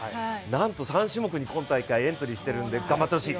なんと３種目に今大会エントリーしているので頑張ってほしい。